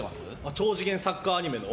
超次元サッカーアニメの？